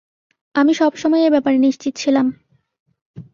আমি সব সময় এ ব্যাপারে নিশ্চিত ছিলাম।